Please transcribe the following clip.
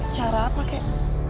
cara apa kek